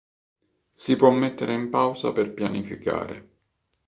Si può mettere in pausa per pianificare.